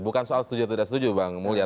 bukan soal setuju tudah setuju bang mulya